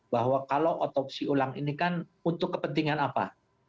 bahwa kalau otopsi ulang ini kan untuk kepentingan apa